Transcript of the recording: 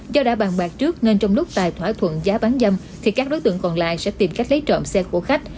do đã bàn bạc trước nên trong lúc tài thỏa thuận giá bán dâm thì các đối tượng còn lại sẽ tìm cách lấy trộm xe của khách